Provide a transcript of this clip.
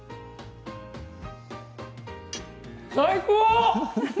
最高！